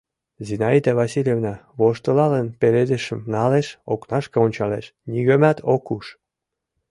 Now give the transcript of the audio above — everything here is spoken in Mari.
Зинаида Васильевна, воштылалын, пеледышым налеш, окнашке ончалеш, нигӧмат ок уж.